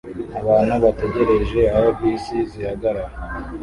Abantu bategereje aho bisi zihagarara